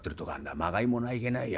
まがい物はいけないよ